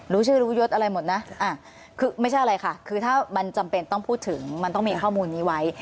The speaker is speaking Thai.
รู้ชื่อรู้ยศอะไรหมดนะคือไม่ใช่อะไรค่ะคือถ้ามันจำเป็นต้องพูดถึงมันต้องมีข้อมูลนี้ไว้